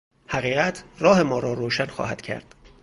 حقیقت راه ما را روشن خواهد کرد.